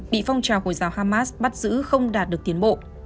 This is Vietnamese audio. bị phong trào khối rào hamas bắt giữ không đạt được tiến bộ